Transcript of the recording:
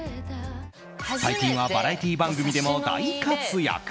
最近はバラエティー番組でも大活躍。